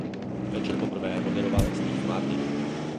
Večer poprvé moderoval Steve Martin.